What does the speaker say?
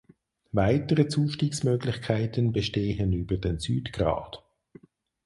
Weitere Zustiegsmöglichkeiten bestehen über den Südgrat.